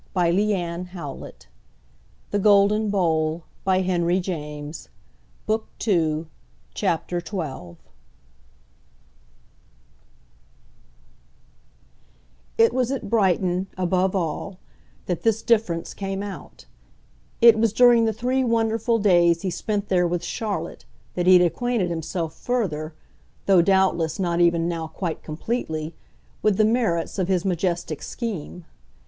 But there was a grand difference in thinking of it for his child. XII It was at Brighton, above all, that this difference came out; it was during the three wonderful days he spent there with Charlotte that he had acquainted himself further though doubtless not even now quite completely with the merits of his majestic scheme.